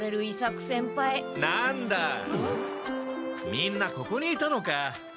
みんなここにいたのか。